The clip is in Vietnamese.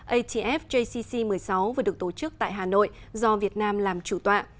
atf jcc một mươi sáu vừa được tổ chức tại hà nội do việt nam làm chủ tọa